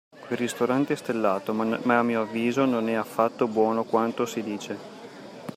Quel ristorante è stellato, ma a mio avviso non è affatto buono quanto si dice.